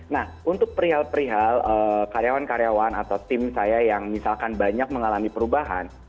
nah untuk perihal perihal karyawan karyawan atau tim saya yang misalkan banyak mengalami perubahan